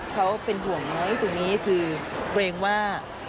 เขาเป็นห่วงนี้คือรู้เรียนว่า